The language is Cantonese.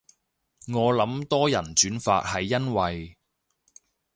我諗多人轉發係因為